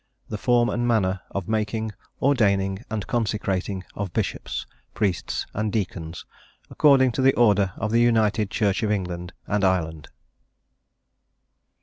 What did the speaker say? THE FORM AND MANNER OF MAKING, ORDAINING, AND CONSECRATING OF BISHOPS, PRIESTS, AND DEACONS, ACCORDING TO THE ORDER OF THE UNITED CHURCH OF ENGLAND AND IRELAND.